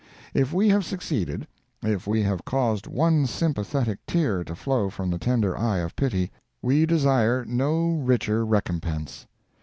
If we have succeeded—if we have caused one sympathetic tear to flow from the tender eye of pity, we desire no richer recompense.